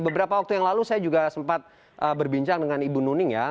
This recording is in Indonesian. beberapa waktu yang lalu saya juga sempat berbincang dengan ibu nuning ya